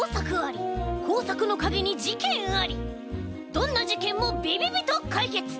どんなじけんもびびびとかいけつ！